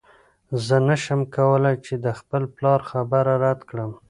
زه نشم کولی چې د خپل پلار خبره رد کړم.